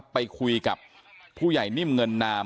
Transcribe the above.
ไปคุยกับผู้ใหญ่นิ่มเงินนาม